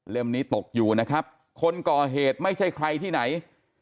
นี้ตกอยู่นะครับคนก่อเหตุไม่ใช่ใครที่ไหน